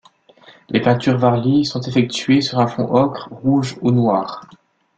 Les peintures Warli sont exécutées sur un fond ocre, rouge ou noir.